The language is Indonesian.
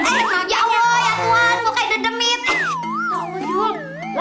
bener makanya bismillahirrahmanirrahim